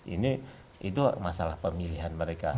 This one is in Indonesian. ini itu masalah pemilihan mereka